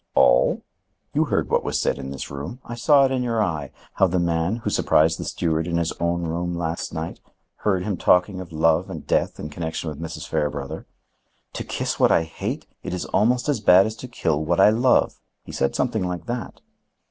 "All? You heard what was said in this room—I saw it in your eye—how the man, who surprised the steward in his own room last night, heard him talking of love and death in connection with Mrs. Fairbrother. 'To kiss what I hate! It is almost as bad as to kill what I love'—he said something like that."